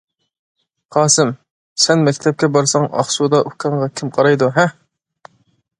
قاسىم: سەن مەكتەپكە بارساڭ ئاقسۇدا ئۇكاڭغا كىم قارايدۇ ھە؟ !